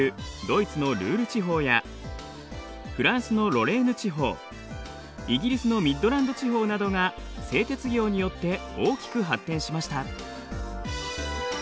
ドイツのルール地方やフランスのロレーヌ地方イギリスのミッドランド地方などが製鉄業によって大きく発展しました。